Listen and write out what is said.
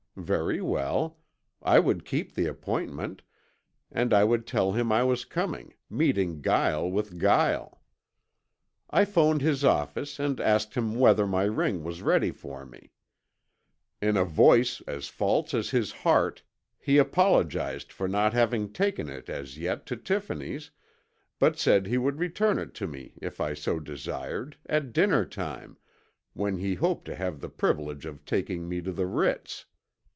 Very well. I would keep the appointment, and I would tell him I was coming, meeting guile with guile. "I phoned his office and asked him whether my ring was ready for me. In a voice as false as his heart he apologized for not having taken it as yet to Tiffany's, but said he would return it to me, if I so desired, at dinner time, when he hoped to have the privilege of taking me to the Ritz.